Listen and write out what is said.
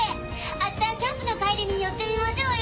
明日キャンプの帰りに寄ってみましょうよ。